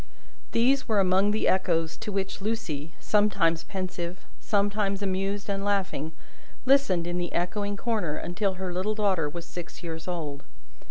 These were among the echoes to which Lucie, sometimes pensive, sometimes amused and laughing, listened in the echoing corner, until her little daughter was six years old.